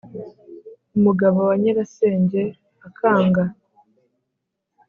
umugabo wa Nyirasenge akanga